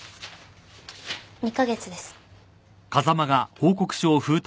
２カ月です。